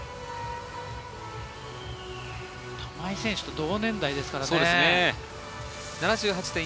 玉井選手と同年代ですからね。